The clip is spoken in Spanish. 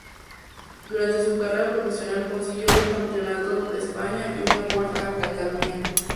Durante su carrera profesional consiguió dos Campeonatos de España y una Volta a Catalunya.